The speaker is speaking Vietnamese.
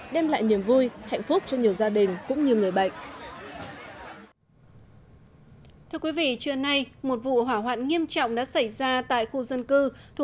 đem lại niềm vui hạnh phúc cho nhiều gia đình